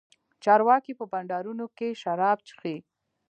چارواکي په بنډارونو کښې شراب چښي.